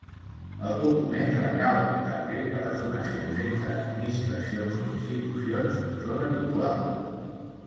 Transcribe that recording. El document recalca també que les donacions entre administracions o institucions són habituals.